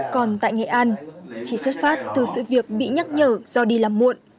còn tại nghệ an chỉ xuất phát từ sự việc bị nhắc nhở do đi làm muộn